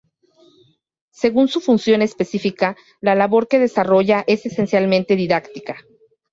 Según su función específica la labor que desarrolla es esencialmente didáctica.